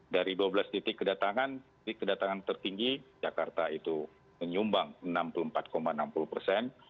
dari dua belas titik kedatangan tertinggi jakarta itu menyumbang enam puluh empat enam puluh persen